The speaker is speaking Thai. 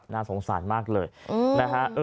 น่าสงสารมากเลยนะฮะ